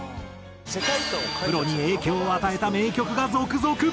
プロに影響を与えた名曲が続々。